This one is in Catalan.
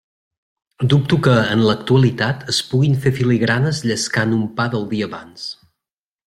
Dubto que, en l'actualitat, es puguin fer filigranes llescant un pa del dia abans.